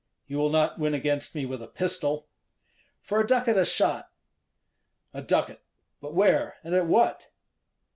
"You will not win against me with a pistol." "For a ducat a shot." "A ducat! But where and at what?"